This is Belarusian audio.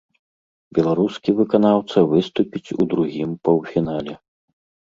Беларускі выканаўца выступіць у другім паўфінале.